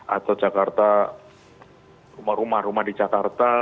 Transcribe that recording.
atau jakarta rumah rumah di jakarta